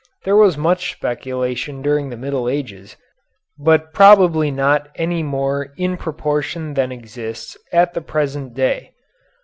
There was much speculation during the Middle Ages, but probably not any more in proportion than exists at the present day.